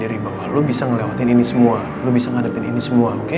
diri lo sendiri bahwa lo bisa ngelewatin ini semua lo bisa ngadepin ini semua oke